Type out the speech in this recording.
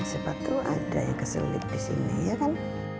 hmm sepatu ada yang keselit disini ya kan